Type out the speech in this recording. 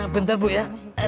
bentar bu ya